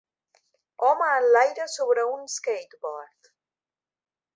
Home en l'aire sobre un skateboard.